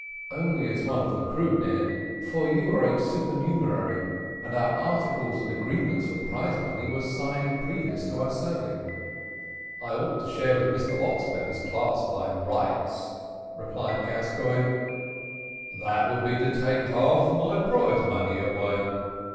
"Only as one of the crew, Ned, for you are a supernumerary, and our articles and agreement for prize money were signed previous to our sailing." "I ought to share with Mr Oxbelly's class by rights," replied Gascoigne. "That would be to take half my prize money away.